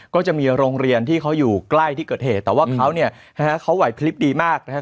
ก็จะมีโรงเรียนที่เขาอยู่ใกล้ที่เกิดเหตุแต่ว่าเขาเนี่ยนะฮะเขาไหวพลิบดีมากนะครับ